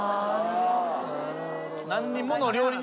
何人もの料理人。